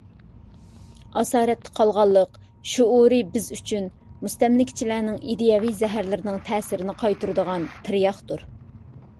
«ئاسارەتتە قالغانلىق» شۇئۇرى بىز ئۈچۈن مۇستەملىكىچىلەرنىڭ ئىدىيەۋى زەھەرلىرىنىڭ تەسىرىنى قايتۇرىدىغان تىرياقتۇر.